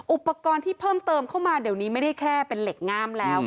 อุปกรณ์ที่เพิ่มเติมเข้ามาเดี๋ยวนี้ไม่ได้แค่เป็นเหล็กงามแล้ว